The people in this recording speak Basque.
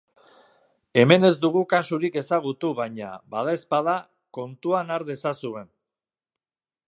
Hemen ez dugu kasurik ezagutu baina, badaezpada, kontuan har dezazuen.